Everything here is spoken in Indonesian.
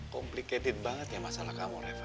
complicated banget ya masalah kamu reva